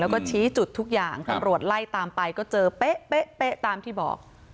แล้วก็ชี้จุดทุกอย่างหลวดไล่ตามไปก็เจอเป๊ะเป๊ะเป๊ะตามที่บอก